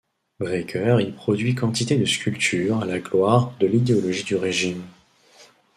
Breker y produit quantité de sculptures à la gloire de l'idéologie du régime.